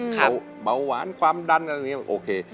เขาเบาหวานความดันอะไรอย่างนี้โอเค